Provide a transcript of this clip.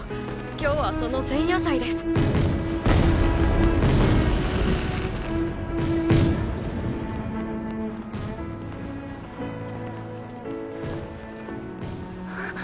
今日はその前夜祭です。っ！